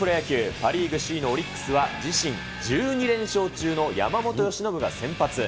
パ・リーグ首位のオリックスは自身１２連勝中の山本由伸が先発。